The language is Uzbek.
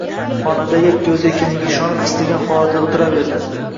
Xonada yakka o`zi ekaniga ishonib, istagan holatida o`tiraverdi